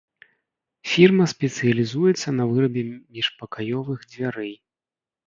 Фірма спецыялізуецца на вырабе міжпакаёвых дзвярэй.